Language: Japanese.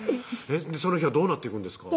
その日はどうなっていくんですか？